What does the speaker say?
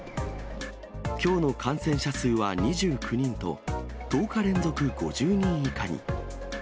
きょうの感染者数は２９人と、１０日連続５０人以下に。